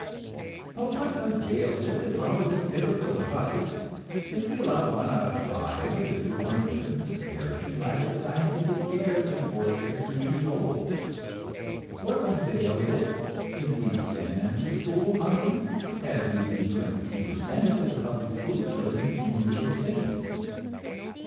But what avails it to follow this biblical advice, if we allow one out of five of the new born infants to perish from lack of scientific care before they are two years old? What avails it if we send them to school hungry, as we do twenty two per cent of the public school children of New York City?